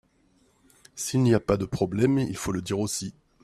S'il n'y a pas de problème il faut le dire aussi.